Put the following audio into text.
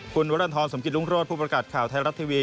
คุณวรรณฑรสมกิจรุ่งโรธผู้ประกาศข่าวไทยรัฐทีวี